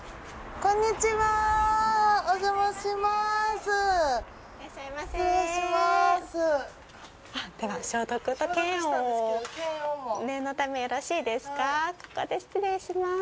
ここで失礼します。